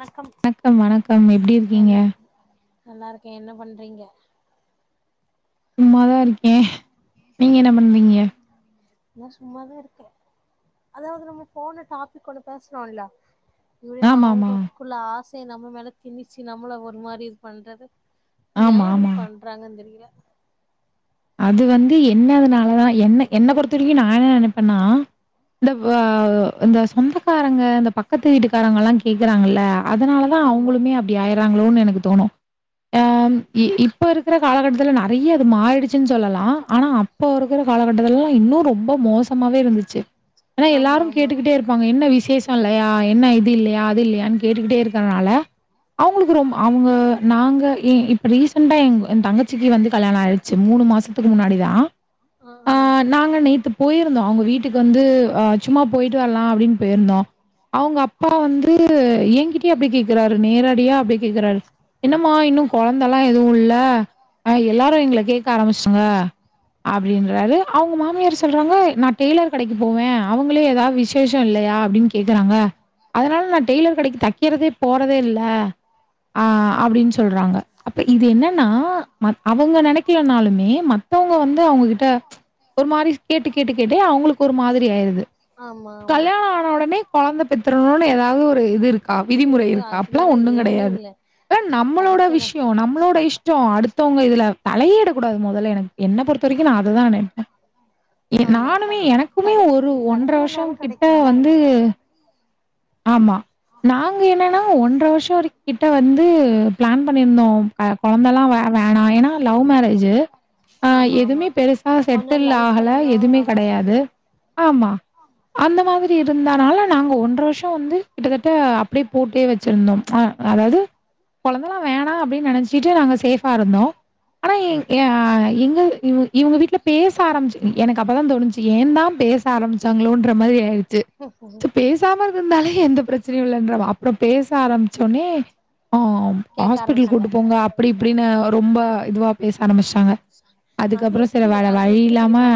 வணக்கம் நல்லா நல்லாருக்கே என்ன பண்றீங்க சும்மாதா இருக்கே நீங்க என்ன பண்றீங்க நா சும்மாதாருக்கே அதாவ்து நம்ம போன டாபிக் ஒண்ணு பேசுனோல்ல ம் நம்ம அவுங்கக்குள்ள ஆசய நம்ம மேல திணிச்சி நம்மள ஒரு மாரி இது பண்றது ஏ அப்டி பண்றாங்கன் தெரில்ல அது வந்து என்னதனாலதா என்ன என்ன பொறுத்த வரைக்கு நா என்ன நெனப்பேனா இந்த வா இந்த சொந்தக்காரங்க இந்த பக்கத்து வீட்டுக்காரங்கல்லா கேக்குறாங்கல்ல அதனால தா அவுங்களுமே அப்டி ஆய்றாங்களோனு எனக்கு தோணு ஆ இ இப் ப்ப இருக்குற காலகட்டத்துல நறைய அது மாறிடி ச்சுன் சொல்லலா ஆனா அப்ப இருக்கற காலகட்டத்துலலா இன்னு ரொம்ப மோசமாவே இருந்துச்சு ஆனா எல்லாரு கேட்டுக்கிட்டே இருப்பாங்க என்ன விசேஷோ இல்லயா என்ன இது இல்லயா அது இல்லயான் கேட்டுட்டேரு க்கனால அவுங்களுக்கு ரொம் அவுங்க நாங்க ஏ இப்ப ரீசெண்டா எங் எ தங்கச்சிக்கு வந்து கல்யாணோ ஆய்டி ச்சு மூணு மாசத்துக்கு முன்னாடி தா ஆ நாங்க நேத்து போயிருந்தோ அவுங்க வீட் டுக்கு வந்து ஆ சும்மா போய்ட்டு வர்லா அப்டின் போயிர்ந்தோ அவுங்க அப்பா வந்து எ கிட்டயே அப்டி கேக்குறாரு நேரடியா அப்டே கேக்குறாரு என்னமா இன்னு கொழந்தல்லா எதுவு இல்ல ஆ எல்லாரு எங்ள கேக்க ஆரம்பிச்டாங்க அப்டின்றாரு அவுங்க மாமியாரு சொல்றாங்க நா டெய்லெர் கடக்கி போவே அவுங்களே எதாவ்து வி ஷேஷோ இல்லயா அப்டின் கேக்குறாங்க அதனால நா டெய்லரு கடக்கி தக்கிறதே போறதே இல்ல ஆ அப்டின் சொல்றாங்க அப்ப இது என்னன்னா மத் அவுங்க நெனை க்கிலனாலுமே மத்தோங்க வந்து அவுங்ககிட்ட ஒரு மாரி கேட்டு கேட்டு கேட்டே அவுங்களுக்கு ஒரு மாதிரி ஆயிருது கல்யாண ஆன ஒடனே கொழந்த பெத்துரணுன் எதாவ்து ஒரு இது கா விதிமுறை இருக்கா அப்பில்லா ஒண்ணு கெடயாது நம்மளோட விஷ்யோ நம்மளோட இஷ் ச்சோ அடுத்தோங்க இதுல தலையேயிட கூடாது மொதல்ல எனக் என்ன பொறுத்த வரைக்கு நா அத தா நெனை இல்ல அது தா ஏ நானுமே எனக்குமே ஒரு ஒன்ற வர்ஷோ கிட்ட வந்து ஆமா நாங்க என்னன்னா ஒன்ற வர்ஷோ வரை கிட்ட வந்து ப்ளான் பண்ணிருந்தோ கொழந்தல்லா வே வேணா ஏனா லவ் மேரேஜு ஆ எதுவ்மே பெருசா செட்டில் ஆகல எதுவ்மே கெடையாது ஆம்மா அந்த மாதிரி இருந்தானால நாங்க ஒன்ற வர்ஷோ வந்து கிட்டத்தட்ட அப்டே போட்டே வச்சிருந்தோம் ஆ அதாவ்து கொழந்தலா வேணா அப்டின் நெனச்சிட்டு நாங்க சேஃபா இருந்தோ ஆனா எங் ஏ எங்க இவ் இவ்ங்க வீட்ல பேச ஆரம்பிச்சி எனக்கு அப்பதா தோணிச்சி ஏந்தா பேஸ் ச ஆரமிச்சாங்களோன்ற மாரி ஆயிடிச்சி சோ பேஸ் சாம இருந்தாலே எந்த பிரச்சனயு இல்லன்ற அப்றோ பேச ஆரம்பிச்சோனே ஆம் ஹாஸ்பிட்ல் கூட்டு போங்க அப்டி இப்டின்னு ரொம்ப இதுவா பேச ஆரமிஸ் அது எப்டி அது எப்டி தெரிமா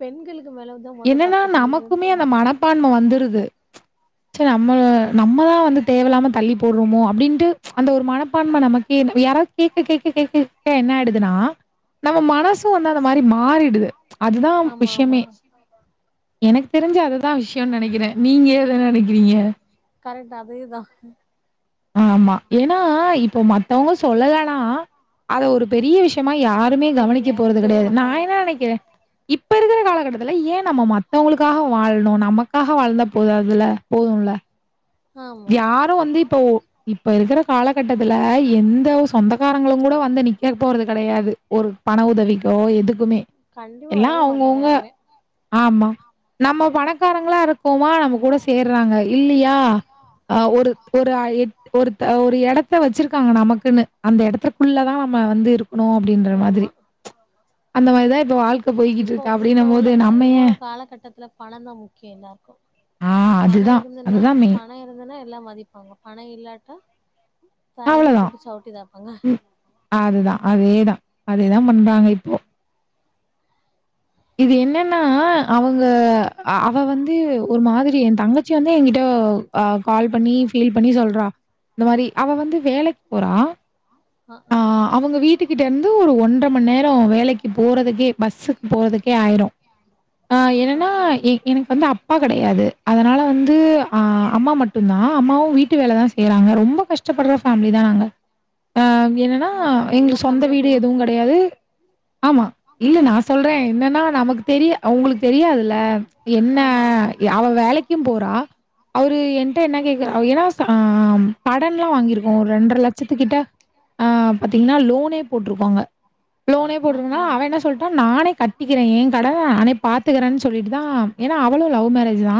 பெண்களுக்கு மேலதா மொத தப்பு [unintelligible] மனப்பான்ம வந்துருது சே நம்ம நம்மதா வந்து தேவெலாம தள்ளி போட்றோமோ அப்டின்ட்டு அந்த ஒரு மனப் பான்ம நமக்கே யாராவ் கேக்க கேக்க கேக்க கே என்னாயிடுதுன்னா நம்ம மனசு வந்து அந்த மாரி மாறிடுது அதுதா விஷ்யமே எனக் தெரிஞ்சி அதுதா விஷ்யனு நெனக்கிறே நீங்க எத நெனக்கிறீங்க கரெக்ட் அதேதா ஆ ஆம்மா ஏன்னா இப்போ மத்தவங்க சொல்லலென்னா அத ஒரு பெரிய விஷய்மா யாருமே கவனிக்க போறது கெடையாது நா என்னா நெனக்கிறே இப்ப இருக்கற காலகட்டத்துல ஏ நம்ம மத்தவளுக்காக வாழ்ணு நமக்காக வாழ்ந்தா போதாதுல போதுல ஆரு வந்து இப்போ இப்ப இருக்கற காலகட்டத்துல எந்த சொந்தக்காரங்களுங் கூட வ ந்து நிக்க போறது கெடையாது ஒரு பண உதவிக்கோ எதுக்குமே எல்லா அவ்ங்கவுங்க ஆம்மா நம்ம பணக்காரங்களா இருக்கோமா நம்ம கூட சேர்றாங்க இல்லியா ஆ அ ஒரு ஒரு எ ஒருத் ஒரு எடத்த வச்சிருக்காங்க நமக்குன்னு அந்த எடத்துக்குள்ளதா நம்ம வந்து இரு இருக்கணு அப்படின்ற மாதிரி இப்போ இப்போ உள்ள க இவ்ளோ காலகட்டத்துல பண தா முக்கியோ எல்லாருக்கு பண இருந்துன்னா பண இருந்துன்னா எல்லா மதிப்பாங்க பண இல்லாட்டா அவ்வளோதா ம் அதுதா அதேதா அதேதா பண்றாங்க இப்போ இது என்னன்னா அவுங்க அ அவ வந்து ஒரு மாதிரி ஏ தங்கச்சி வந்து ஏங்கிட்ட ஆ கால் பண்ணி ஃபீல் பண்ணி சொல்றா இந்த மாரி அவ வந்து வேலைக்கு போறா ஆ அவங்க வீட்டுக்கிட்ட இருந்து ஒரு ஒன்றர மண் நேர வேலைக்கு போறதுக்கே பஸ்ஸுக் போறதுக் ஆயிரு ஆ என்னன்னா எ எனக்கு வந்து அப்பா கெடையாது அதனால வந்து ஆ அம்மா மட்டுந்தா அம்மாவு வீட்டு வேல தா செய்யறாங்க ரொம்ப கஷ்டப்படுற ஃபேமிலி தா நாங்க என்னன்னா எங்களுக்கு சொந்த வீடு எதுவு க டையாது ஆமா இல்ல நா சொல்றே என்னன் ஆனா நமக்கு தெரிய உங்களுக்கு தெரியாதுல என்ன அவ வேலைக்கும் போறா அவரு என்ட்ட என்ன கேக்குற ஏன்னா ஆ கடன்ல்லா வாங்கிருக்கோ ஒரு ரெண்டரை லட்சத்துக்கிட்ட ஆ பாத்தீங்கன்னா லோனே போட்டிருக்காங்க லோனே போட்டிருக்னா அவ என்ன சொல்லிட்டா நானே க பிக்கிறே ஏ கட நானே பாத்துக்கறே சொல்லிட்டு தா ஏன்னா அவளு லவ் மேரேஜ் தா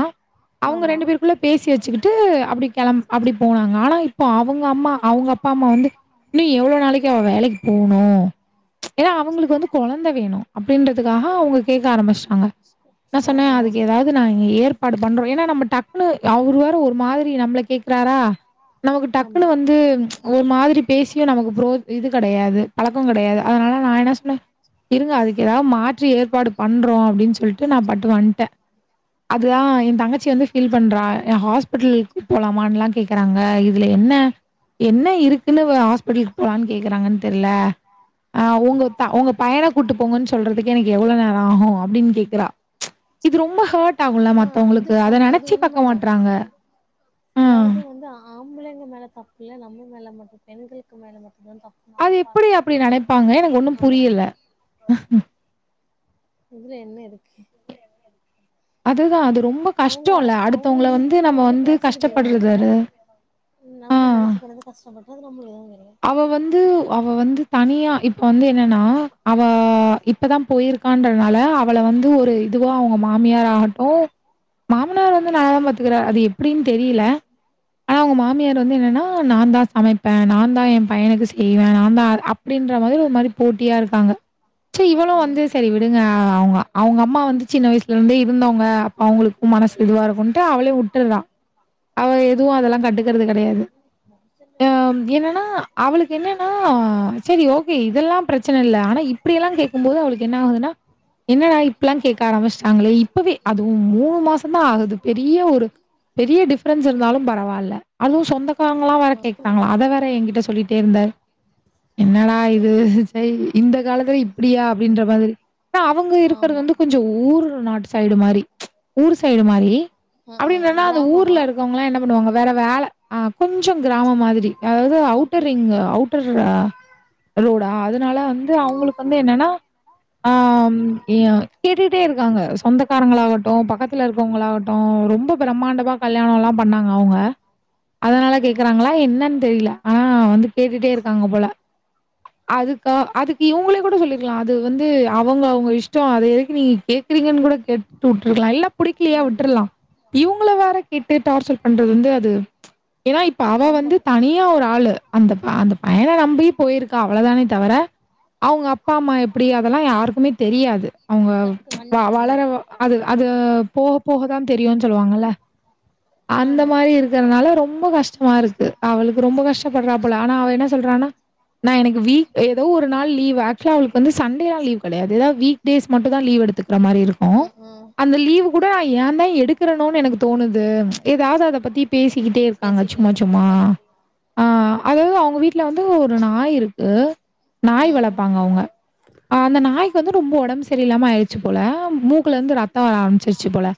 அவங்க ரெண்டு பேருக்குள்ள பேசி வச்சுக்கிட்டு அப்டி கெளம் அப்டி போனாங்க ஆனா இப்போ அவங்க அம்மா அவங்க அப்பாம்மா வந்து இன்னு எவ்ளோ நாளைக்கு அவ வேலைக்கு போணு ஏன்னா அவங்களுக்கு வந்து கொழந்த வேணு அப்டின்றது க்காக அவங்க கேக்க ஆரம்பிச்சாங்க நா சொன்னே அதுக்கு ஏதாவது க ஏற்பாடு பண்றோ ஏன்னா நம்ம டக்குனு அவர் வேற ஒரு மாதிரி நம்மள கேக்குறாரா நமக்கு டக்குனு வந்து ஒரு மாதிரி பேசியு நமக்கு புரோ இது கெடையாது பழக்கங்கெடையாது அதனால நா என்ன சொன்னே இருங்க அதுக்கு ஏதா மா ற்று ஏற்பாடு பண்றோ அப்டின் சொல்ட்டு நா பாட்டு வன்ட்ட அதுதா எ தங்கச்சி வந்து ஃபீல் பண்றா எ ஹாஸ்பிடல் போலாமான்லா கேக் கறாங்க இதுல என்ன என்ன இருக்குனு ஹாஸ்பிடலுக்கு போலான் கேக்குறாங்கன் தெர்ல ஆ உங்க உங்க பையன கூட்டு போங்கன் சொல்றதுக் எவ்ளோ நேரோ ஆகு அப்டின் கேக்குறா இது ரொம்ப ஹேட் ஆகும்ல மத்தவங்களுக்கு அத நெனச்சே பாக்க மாட்றாங்க அதாவது வந்து ஆம்பளைங்க மேல தப்புல நம்ம மேல மட்டு பெண்களுக்கு மேல மட்டு தா தப்பு அது எப்படி அப்படி நெனைப்பாங்க எனக்கு ஒன்னு புரியல இதுல என்ன இருக்கு அவங்க அவங்க ஈஸியா வந்து பேசிட்டு போயிருவாங்க நம்ம மனசு கடந்து கஷ்டப்பட்டா அது நம்மளுக்கு தா தெரியு அவ வந்து அவ வந்து தனியா இப்ப வந்து என்னன்னா அவ இப் இப்பதா போயிருக்கான்றனால அவள வந்து ஒரு இதுவா அவங்க மாமியார் ஆகட்டு மாமனார் வந்து நல்லா தா பாத்துக்கறா அது எப்டின் தெரில ஆனா உங்க மாமியார் வந்து என்னன்னா நாந்தா சமைப்பே நா நா எ பையனுக்கு செய்வே நா தா அப்டின்ற மாதிரி ஒரு மாதிரி போட்டியா இருக்காங்க ச இவளு வந்து சரி ங்க அவுங்க அவுங்க அம்மா வந்து சின்ன வயசுல இருந்து இருந்தவங்க அப்ப அவங்களுக்கு மனசு இதுவா இருக்குன்டு அவளே வுட் டறா அவ எதுவு அதெல்லா கட்டுக்கிறது கெடையாது அ என்னன்னா அவளுக்கு என்னன்னா சரி ஓகே இதெல்லா பிரச்சன இல்ல ஆனா இப்டி ல்லா கேக்கும் போது அவளுக்கு என்ன ஆகுதுனா என்னடா இப்பல்லா கேக்க ஆரம்பிச்டாங்களே இப்பவே அதுவும் மூணு மாச தா ஆகுது பெரிய ஒரு பெரிய டிஃப்ரன்ஸ் இருந்தாலு பரவால்ல அதுவு சொந்தக் காரங்கல்லா வேற கேக்குறாங்களா அத வேற எ கிட்ட சொல்லிட்டே இருந்தாரு என்னடா இது சய் இந்த காலத்துல இப்டியா அப்டின்ற மாதிரி அவங்க இருக்கிறது வந்து கொஞ்சோ ஊர் நாட்டு சைடு மாரி ஊர் சைடு மாரி அப்டின்றன்னா அந்த ஊர்ல இருக்கவங்கல்லா என்ன பண்ணுவாங்க வேற வேல ஆ கொஞ்ச கிராமம் மாதிரி ஆப்டி அவுட்டர் ரோடா அதனால வந்து அவங்களுக்கு வந்து என்னன்னா ஆ கேட்டுட்டே இருக்காங்க சொந்தக்காரங்கள் ஆவட்டு பக்க த்துல இருக்குறவங்க ஆவட்டு ரொம்ப பிரம்மாண்டமா கல்யாணோலா பண்ணாங்க அவுங்க அதனால கேக்குறாங்களா என்னன் தெரில ஆனா வந்து கேட்டுட்டே இருக்காங்க போல அதுக்க அதுக்கு இவங்களே கூட சொல்லிருலா அது வந்து அவங்க அவங்க இஷ்டோ அத எதுக்கு நீங்க கேக் குறீங்கன் கூட கேட்டுட்டு வுட்ருக்கலா இல்லப் பிடிக்கலயா வுட்டுர்லா இவங்கள வேற கேட்டு டார்ச்சர் பண்றது வந்து அது ஏனா இப்ப அவ வந்து தனியா ஒரு ஆளு அந்தப் அந்த பயன நம்பி போயிருக்கா அவ்ளதானே தவர அவங்க அப்பா அம்மா எப்டி அதெல்லா யாருக்குமே தெரியாது அவங்க வளர அது அது போக போகதா தெரியுன் சொல்லுவாங்கல்ல அந்த மாரி இருக் இருக்கிறனால ரொம்ப கஷ்டமா இருக்கு அவளுக்கு ரொம்ப கஷ்டப்படுறா போல ஆனா அவ என்ன சொல்றானா நா எனக்கு வீக் ஏதோ ஒரு நாள் லீ்வு ஆக்சுவலா அவளுக்கு வந்து சண்டேலா லீவு கெடையாது எதா வீக் டேஸ் மட்டு தா லீவ் எடுத்துக் கர மாரி இருக்கு அந்த லீவு கூடோ ஏ தா எடுக்குறனோன்னு எனக்கு தோணுது ஏதாது அத பத்தி பேசிக்கிட்டே இருக்காங்க சும்மா சும்மா ஆ அதாது அவங்க வீட்டுல வந்து ஒரு நாய் இருக்கு நாய் வளப்பாங்க அவ்ங்க அந்த நாய்க்கு வந்து ரொம்ப உடம்பு செரில்லாம ஆயிச்சு போல மூக்குல இருந்து ரத்த வர ஆரம்பிச்சிருச்சு போல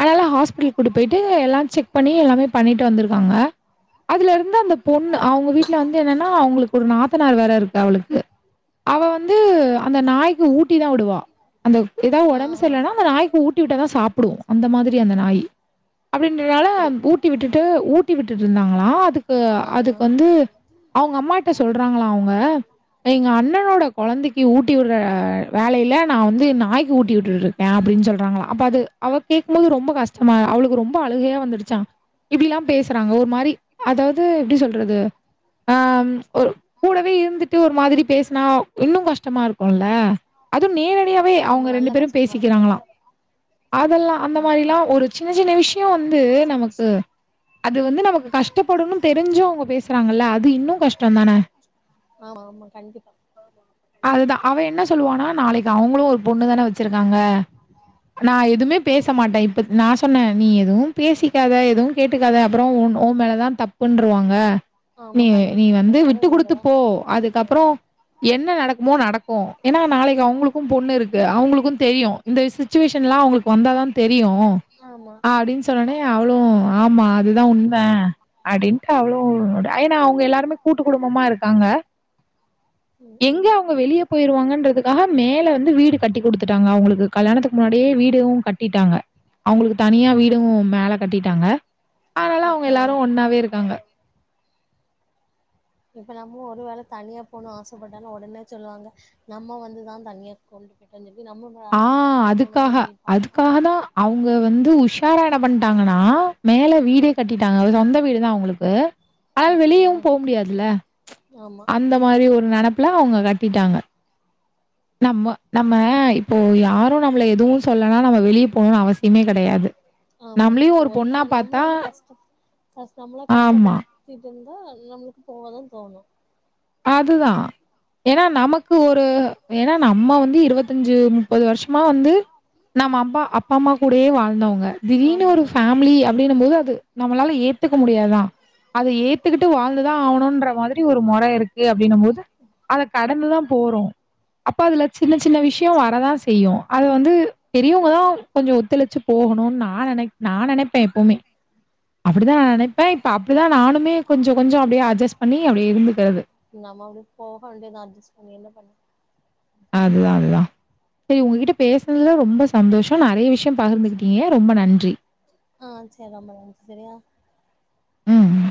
அதனால ஹாஸ்பிட்டலு கூட்டு போயிட்டு எல்லா செக் பண்ணி எல்லாமே பண்ணிட்டு வந்திருக்காங்க அதுல இருந்து அந்த பொண்ணு அவங்க வீட்டுல வந்து என்னன்னா அவங்களுக்கு ஒரு நாத்தனார் வேற இருக்கு அவளுக்கு அவ வந்து அந்த நாய்க்கு ஊட்டி தா விடுவா அந்த ஏதா உடம்பு செர்லன்னா அந்த நாய்க்கு ஊட்டி விட்டா தா சாப்புடு அந்த மாதிரி அந்த நாயி அப்டின்றதுனால ஊட்டி விட்டுட்டு ஊட்டி விட்டுட்டுருந்தாங்களா அதுக்கு அதுக்கு வந்து அவ்ங்க அம்மாட்ட சொல்றாங்களா அவுங்க எங்க அண்ணனோட கொழந்திக்கு ஊட்டி விடுற வேலை இல்ல நா வந்து நாய்க்கு ஊட்டி விட்டுட்டுரு க அப்டின் சொல்றாங்களா அப்ப அது அவ கேக்கும் போது ரொம்ப கஷ்டமா அவளுக்கு ரொம்ப அழுகையே வந்துடுச்சா இப்டில்லா பேசுறாங்க ஒரு மாரி அதாவது எப்டி சொல்றது ஆம் ஒரு கூடவே இருந்துட்டு ஒரு மாதிரி பேசுனா இன்னு கஷ்டமா இருக்குல்ல அதும் நேரடியவே அவங்க ரெண்டு பேரும் பேசிக்கிறாங்களா அதல்லா அந்த மாரில்லா ஒரு சின்ன சின்ன விஷயம் வந்து நமக்கு அது வந்து நமக்கு கஷ்டப்படுப்னு தெரிஞ்சும் அவங்க பேசுறாங்கல்ல அது இன்னு கஷ்டோ தானே ஆமா கண்டிப்பா அதுதா அவ என்ன சொல்லுவானா நாளைக்கு அவங்களு ஒரு பொண்ணு தானே வச்சிருக்காங்க நா எதுமே பேச மாட்டே இப்பத் நா சொன்னே நீ எதுவும் பேசிக்காத எதுவும் கேட்டுக்காத அப்புறம் ஓன் மேல தா தப்புன்னருவாங்க நீ நீ வந்து விட்டு குடுத்து போ அதுக்கப்றோ என்ன நடக் குமோ நடக்கு ஏன்னா நாளைக்கு அவங்களுக்கு பொண்ணு இருக்கு அவங்களுக்கு தெரியு இந்த சிட்டுவேஷன்லா அவங்ளுக் வந்தாதா தெரியு ஆமா அப்டின் சொன்னோனே அவ்ளு ஆமா அதுதா உண்ம அப்டின்ட்டு அவ்ளு ஏனா அவங்க எல்லாருமே கூட்டு குடும்பமா இருக்காங்க ம் எங்கே அவங்க வெளியே போயிருவாங்கன்றதுக்காக மேலே வந்து வீடு கட்டி குடுத்துட்டாங்க அவ்ங்ளுக்கு கல்யாணத்துக்கு முன்னாடியே வீடேவு கட்டி ட்டாங்க அவ்ங்ளுக்கு தனியா வீடும் மேல கட்டிட்டாங்க அனால அவங்க எல்லாரு ஒன்னாவே இருக்காங்க இப்போ நம்மோ ஒரு வேல தனியா போணு ஆசைப்பட்டலு உடனே சொல்லுவாங்க நம்ம வந்து தா தனியா கொண்டு போயிட்டோ சொல்லி நம்ம ஆ அதுக்காக அதுக்காக தா அவங்க வந்து உஷாரா என்ன பண்ணிட்டாங்கனா மேல வீடே கட்டிட்டாங்க சொந்த வீடு தா அவ்ங்ளுக்கு உக்கும் ஆமா இந்த மாரி ஒரு நெனப்புல அவங்க கட்டிட்டாங்க நம்ம நம்ம இப்போ யாரு நம்மள எதுவு சொல்லனா நம்ம வெளியே போணுன்னு அவசியமே கிடையாது ஆமா இப்ப ஒருமா நம்மள வந்து கஷ்ட கஷ் நம்மளா கஷ்டப்பட் டுட்டுருந்தா நம்ளுக்கு போவ தா தோணு அதுதா ஏனா நமக்கு ஒரு ஏன்னா நம்மா வந்து இருபத்தஞ்சு முப்பது வருஷமா வந்து நாம அம்பா அப்பா அம்மா கூடயே வாழ்ந்தவங்க திடீர்னு ஒரு ஃபேமிலி அப் டின்னும் போது அது நம்மளால ஏத்துக்க முடியாதா அத ஏத்துக்கிட்டு வாழ்ந்துதா ஆவனுகின்ற மாதிரி ஒரு முற இருக் க்கு அப்டின்னு போது அத கடந்துதா போறோ அப்ப அதுல சின்ன சின்ன விஷ்யோ வரதா செய்யு அத வந்து பெரியவங்கதா கொஞ்சோ ஒத்துழைச்சு போகணுனு நா நெனை நா நெனைப்பே எப்பமே அப்டிதா நா நெனைப்பே இப்ப அப்டிதா நானுமே கொஞ்ச கொஞ்சோ அப்டியே அட்ஜஸ் பண்ணி அப்டி இருந்துக்கிறது நம்ம அப்டியே போகவேண்டிய தா அட்ஜெஸ்ட் பண்ணி என்ன பண்ண அதுதா அதுதா செரி உங்கட்ட பேசுனதுல ரொம்ப சந்தோஷ நறைய விஷ்யோ பகிர்ந்துகிட்டிங்க ரொம்ப நன்றி ஆ செரி ரொம்ப நன்றி செரியா ம் ம்